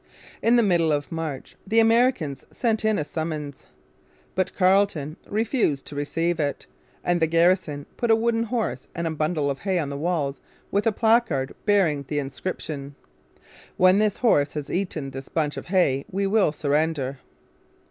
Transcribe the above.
In the middle of March the Americans sent in a summons. But Carleton refused to receive it; and the garrison put a wooden horse and a bundle of hay on the walls with a placard bearing the inscription, 'When this horse has eaten this bunch of hay we will surrender.'